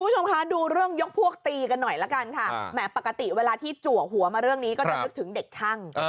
คุณผู้ชมคะดูเรื่องยกพวกตีกันหน่อยละกันค่ะแหมปกติเวลาที่จัวหัวมาเรื่องนี้ก็จะนึกถึงเด็กช่าง